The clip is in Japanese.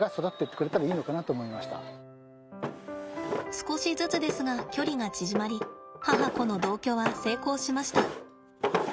少しずつですが距離が縮まり母子の同居は成功しました。